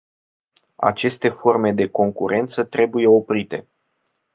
Aceste forme de concurență trebuie oprite.